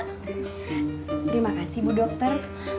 terima kasih bu dokter